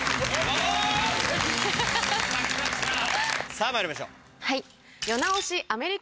さぁまいりましょう。